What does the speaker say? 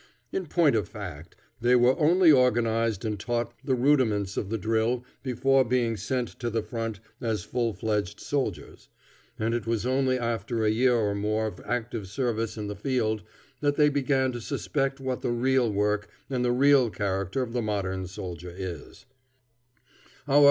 In point of fact, they were only organized and taught the rudiments of the drill before being sent to the front as full fledged soldiers; and it was only after a year or more of active service in the field that they began to suspect what the real work and the real character of the modern soldier is.